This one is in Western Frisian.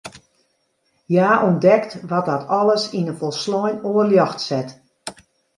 Hja ûntdekt wat dat alles yn in folslein oar ljocht set.